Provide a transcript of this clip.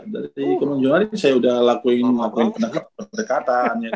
dari bulan januari saya udah lakuin pendekatan